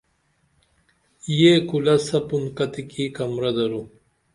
یہ کُلہ سپُن کتیکی کمرہ درو؟